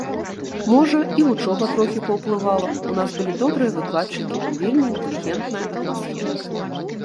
Можа, і вучоба трохі паўплывала, у нас былі добрыя выкладчыкі, вельмі інтэлігентная атмасфера.